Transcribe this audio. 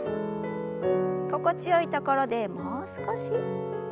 心地よいところでもう少し。